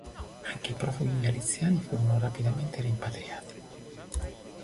Anche i profughi galiziani furono rapidamente rimpatriati.